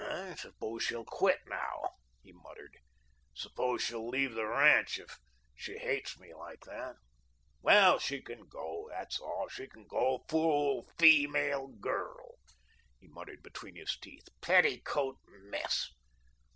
"I suppose she'll quit now," he muttered. "Suppose she'll leave the ranch if she hates me like that. Well, she can go that's all she can go. Fool feemale girl," he muttered between his teeth, "petticoat mess."